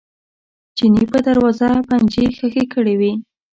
چیني په دروازه پنجې ښخې کړې وې.